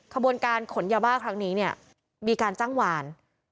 ขบวนการขนยาบ้าครั้งนี้เนี่ยมีการจ้างวาน